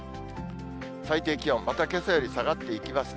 最低気温、またけさより下がっていきますね。